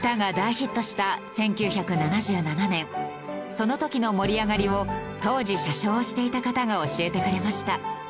その時の盛り上がりを当時車掌をしていた方が教えてくれました。